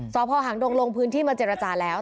สพหางดงลงพื้นที่มาเจรจาแล้ว